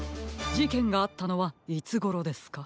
じけんがあったのはいつごろですか？